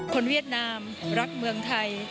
เวียดนามรักเมืองไทย